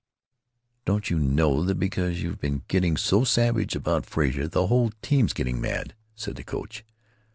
"Don't you know that because you've been getting so savage about Frazer the whole team 's getting mad?" said the coach.